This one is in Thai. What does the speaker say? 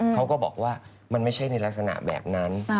เขาก็บอกว่ามันไม่ใช่ในลักษณะแบบนั้น